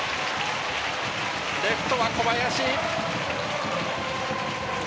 レフトは小林！